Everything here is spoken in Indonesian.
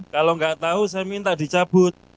kalau nggak tahu saya minta dicabut